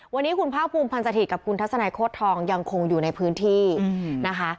วันนี้คุณภาคภูมิพันธิ์กับคุณทัศนัยโคตรทองยังคงอยู่ในพื้นที่นะคะ